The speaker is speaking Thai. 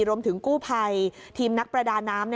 รวมถึงกู้ภัยทีมนักประดาน้ำ